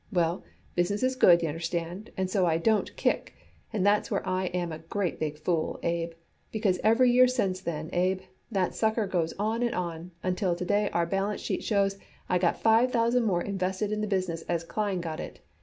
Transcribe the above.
Well, business is good, y'understand, and so I don't kick and that's where I am a great big fool, Abe, because every year since then, Abe, that sucker goes on and on, until to day our balance sheet shows I got five thousand more invested in the business as Klein got it.